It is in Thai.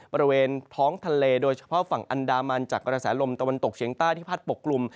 บริเวณท้องทะเลโดยเฉพาะฝั่งอันดามันจากกระแสลมตะวันตกเฉียงใต้ที่พัดปกกลุ่ม